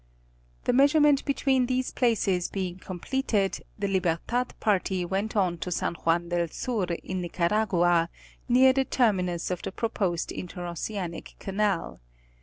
.The measurement between these places bemg com pleted, the Libertad party went on to San Juan del Sur, in Nica ragua, near the terminus of the proposed interoceanic canal.